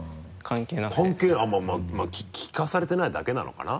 関係まぁまぁ聞かされてないだけなのかな？